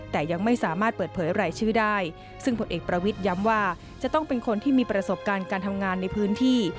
แต่ยังไม่สามารถเปิดเผยรายชื่อได้ซึ่งผลเอกประวิทย้ำว่าจะต้องเป็นคนที่มีประสบการณ์การทำงานในพื้นที่